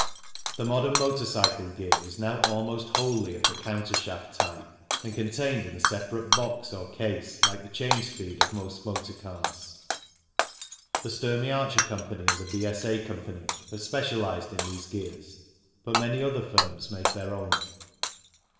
The modern motor cycle gear is now almost wholly of the countershaft type, and contained in a separate box or case like the change speed of most motor cars. The Sturmey Archer Co. and the B.S.A. Co. have specialized in these gears, but many other firms make their own.